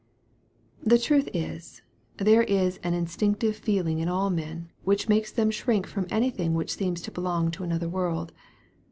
The truth is, there is an instinctive feeling in all men, which makes them shrink from anything which seems to belong to another world.